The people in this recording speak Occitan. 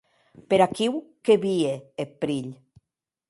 Per aquiu que vie eth perilh.